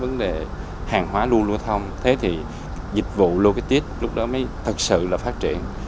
vấn đề hàng hóa lưu lưu thông dịch vụ logistics lúc đó mới thật sự phát triển